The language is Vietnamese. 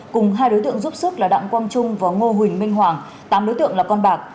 cùng hai đối tượng giúp sức là đặng quang trung và ngô huỳnh minh hoàng tám đối tượng là con bạc